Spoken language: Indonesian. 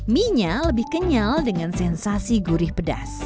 mie nya lebih kenyal dengan sensasi gurih pedas